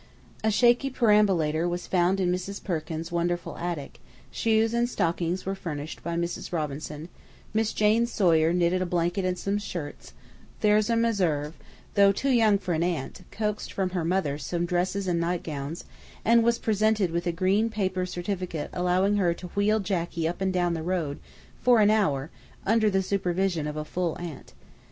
A shaky perambulator was found in Mrs. Perkins's wonderful attic; shoes and stockings were furnished by Mrs. Robinson; Miss Jane Sawyer knitted a blanket and some shirts; Thirza Meserve, though too young for an aunt, coaxed from her mother some dresses and nightgowns, and was presented with a green paper certificate allowing her to wheel Jacky up and down the road for an hour under the superintendence of a full Aunt.